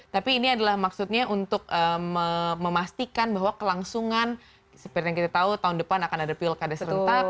tapi ini adalah maksudnya untuk memastikan bahwa kelangsungan seperti yang kita tahu tahun depan akan ada pilkada serentak